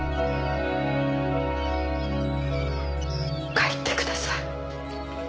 帰ってください。